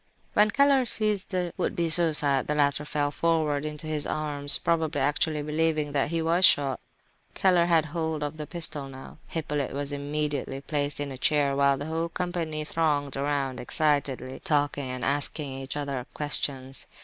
When Keller seized the would be suicide, the latter fell forward into his arms, probably actually believing that he was shot. Keller had hold of the pistol now. Hippolyte was immediately placed in a chair, while the whole company thronged around excitedly, talking and asking each other questions.